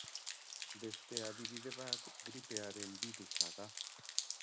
Beste adibide bat gripearen birusa da.